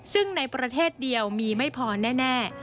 ซึ่งในประเทศเดียวมีไม่พอแน่